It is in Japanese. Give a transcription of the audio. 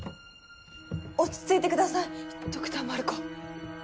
落ち着いてくださいドクター・マルコー